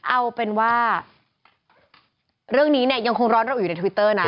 เอาเป็นว่าเรื่องนี้เนี่ยยังคงร้อนเราอยู่ในทวิตเตอร์นะ